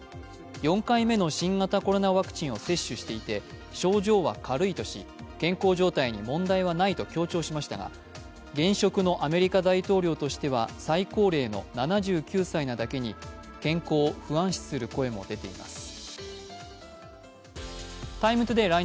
４回目の新型コロナワクチンを接種していて症状は軽いとし、健康状態に問題はないと強調しましたが現職のアメリカ大統領としては最高齢の７９歳なだけに健康を不安視する声も出ています。